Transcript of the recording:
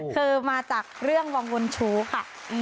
คือมาจากเรื่องวังวลชู้ค่ะ